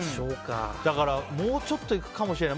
だから、もうちょっといくかもしれない。